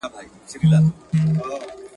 سپېرې شونډی وږې ګېډه فکر وړی.